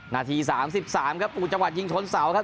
นาที๓๓ครับอู่จังหวัดยิงชนเสาครับ